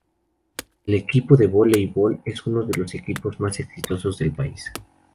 El equipo de voleibol es uno de los equipos más exitosos del país.